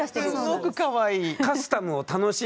すんごくかわいい。